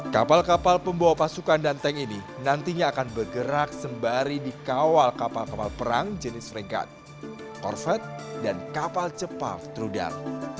kapal kapal pembawa pasukan dan tank ini nantinya akan bergerak sembari dikawal kapal kapal perang jenis rengkat corvet dan kapal cepat rudal